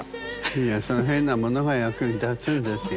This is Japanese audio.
いやその変なものが役に立つんですよ。